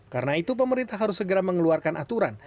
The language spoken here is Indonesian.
karena itu pemerintah harus segera mengeluarkan aturan